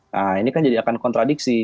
nah ini kan jadi akan kontradiksi